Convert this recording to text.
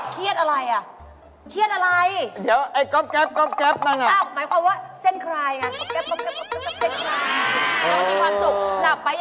เขาไม่ได้ซ้อมเหรอซ้อมอะไร